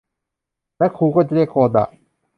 และครูก็จะเรียกโกดะ